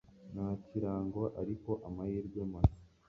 nta kirango, ariko amahirwe masa